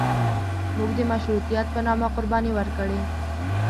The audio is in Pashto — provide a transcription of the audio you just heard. موږ د مشروطیت په نامه قرباني ورکړې.